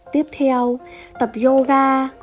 tiếp theo tập yoga